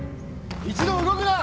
一同動くな！